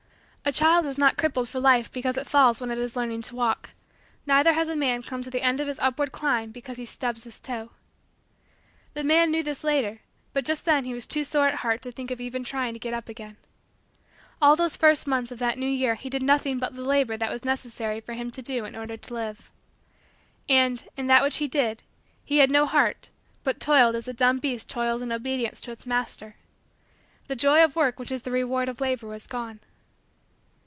A child is not crippled for life because it falls when it is learning to walk; neither has a man come to the end of his upward climb because he "stubs his toe." The man knew this later but just then he was too sore at heart to think of even trying to get up again. All those first months of that new year he did nothing but the labor that was necessary for him to do in order to live. And, in that which he did, he had no heart but toiled as a dumb beast toils in obedience to its master. The joy of work which is the reward of labor was gone.